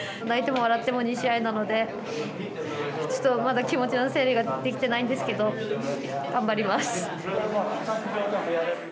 泣いても笑っても２試合なのでちょっとまだ気持ちの整理ができてないんですけど頑張ります。